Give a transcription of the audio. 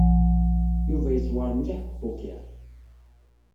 Yuba yeẓwer mliḥ deg upoker.